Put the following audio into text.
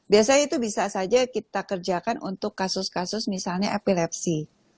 biasanya itu bisa saja kita kerjakan untuk kasus kasus misalnya epilepsi